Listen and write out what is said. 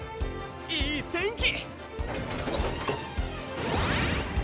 いい天気！